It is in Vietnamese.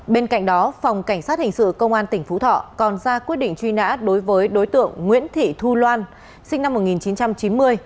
bên cạnh đó phòng cảnh sát hình sự công an tỉnh phú thọ còn ra quyết định truy nã đối với đối tượng nguyễn thị thu loan sinh năm một nghìn chín trăm chín mươi